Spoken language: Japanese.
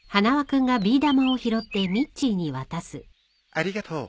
ありがとう。